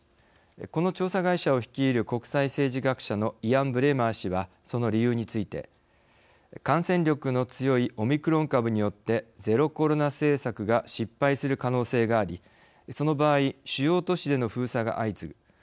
この調査会社を率いる国際政治学者のイアン・ブレマー氏はその理由について「感染力の強いオミクロン株によってゼロコロナ政策が失敗する可能性がありその場合主要都市での封鎖が相次ぐ。